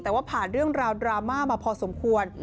แต่ว่าผ่านเรื่องราวดราม่ามาพอสมควร